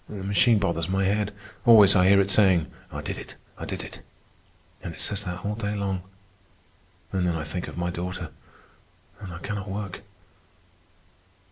The machine bothers my head. Always I hear it saying, 'I did it, I did it.' And it says that all day long. And then I think of my daughter, and I cannot work."